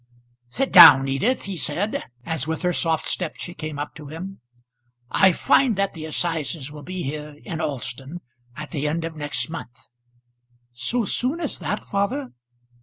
"Sit down, Edith," he said, as with her soft step she came up to him. "I find that the assizes will be here, in Alston, at the end of next month." "So soon as that, father?"